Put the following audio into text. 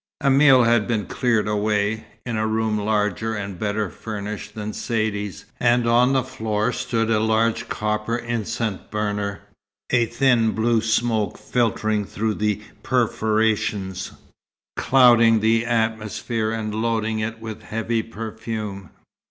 A meal had been cleared away, in a room larger and better furnished than Saidee's and on the floor stood a large copper incense burner, a thin blue smoke filtering through the perforations, clouding the atmosphere and loading it with heavy perfume.